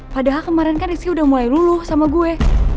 padahal kemarin kan rizky udah mulai luluh sama gue